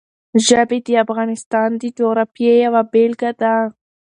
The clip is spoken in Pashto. ژبې د افغانستان د جغرافیې یوه بېلګه ده.